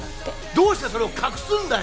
どうしてそれを隠すんだよ！